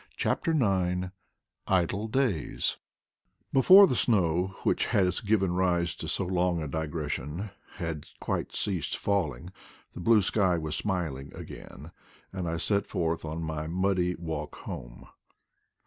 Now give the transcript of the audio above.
CHAPTER IX IDLE DATS BEFOKE the snow, which has given rise to so long a digression, had quite ceased falling the bine sky was smiling again, and I set forth on my muddy walk home.